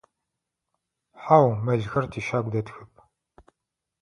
Хьау, мэлхэр тищагу дэтхэп.